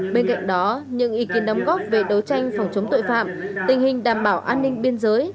bên cạnh đó những ý kiến đóng góp về đấu tranh phòng chống tội phạm tình hình đảm bảo an ninh biên giới